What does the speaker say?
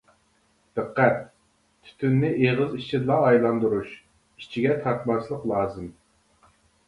دىققەت: تۈتۈننى ئېغىز ئىچىدىلا ئايلاندۇرۇش، ئىچىگە تارتماسلىق لازىم.